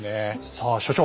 さあ所長。